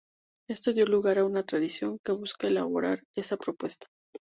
Esto dio lugar a una tradición que busca elaborar esa propuesta.